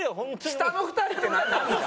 「下の２人」ってなんなんですか？